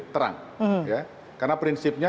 terang karena prinsipnya